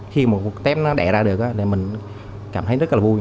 khi một con tép nó đẻ ra được mình cảm thấy rất là vui